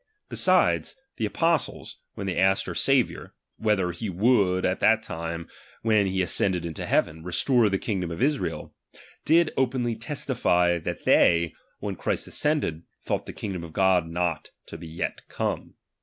Besides, the apos tles, when they asked our Saviour, whether he would at that time when he ascended into heaven, restore the kingdom unto Israel ; did openly test ify, that they then, when Christ ascended, thought the kingdom of God not to be yet come.